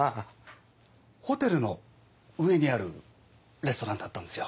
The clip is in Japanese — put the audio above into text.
ホテルの上にあるレストランだったんですよ。